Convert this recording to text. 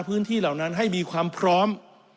เหล่านั้นให้มีความพร้อม